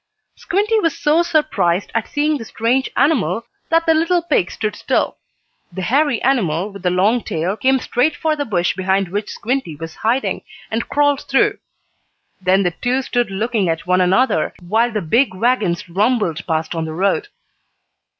Squinty was so surprised at seeing the strange animal that the little pig stood still. The hairy animal, with the long tail, came straight for the bush behind which Squinty was hiding, and crawled through. Then the two stood looking at one another, while the big wagons rumbled past on the road.